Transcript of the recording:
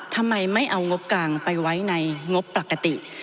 ทำไมไม่เอางบกลางไปไว้ในงบปกติ